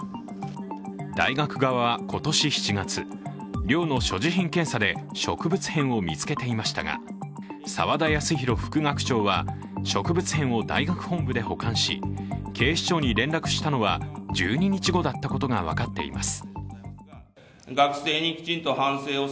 大学側は今年７月、寮の所持品検査で植物片を見つけていましたが、沢田康広副学長は、植物片を大学本部で保管し、警視庁に連絡したのは１２日後だったことが分かっています。